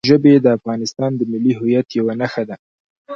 ژبې د افغانستان د ملي هویت یوه نښه ده.